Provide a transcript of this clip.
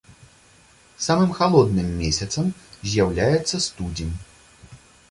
Самым халодным месяцам з'яўляецца студзень.